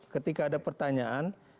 ketika ada pertanyaan